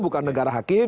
bukan negara hakim